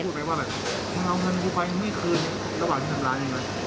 พูดไปว่าแบบเอาเงินไปไม่คืนระหว่างที่ทำร้านอย่างไร